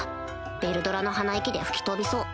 ヴェルドラの鼻息で吹き飛びそう